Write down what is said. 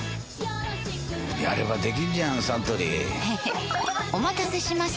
やればできんじゃんサントリーへへっお待たせしました！